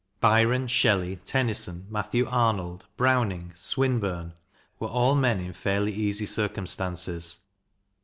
Byron, Shelley, Tennyson, Matthew Arnold, Browning, Swinburne, were all men in fairly easy circumstances.